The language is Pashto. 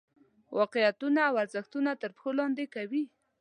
واقعیتونه او ارزښتونه تر پښو لاندې کوي.